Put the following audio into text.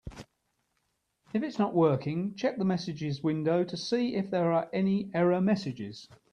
If it's not working, check the messages window to see if there are any error messages.